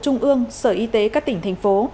trung ương sở y tế các tỉnh thành phố